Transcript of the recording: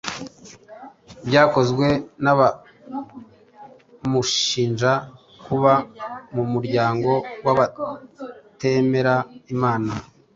byakozwe n’abamushinja kuba mu muryango w’abatemera Imana